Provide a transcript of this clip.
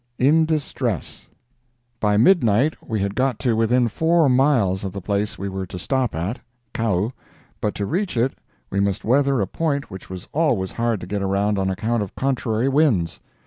IN DISTRESS By midnight we had got to within four miles of the place we were to stop at—Kau, but to reach it we must weather a point which was always hard to get around on account of contrary winds.